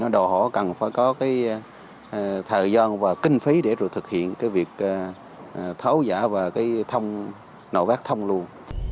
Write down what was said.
đồ họ cần phải có thời gian và kinh phí để thực hiện việc tháo rỡ và nộ vét thông luôn